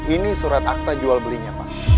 ini surat akta jual belinya pak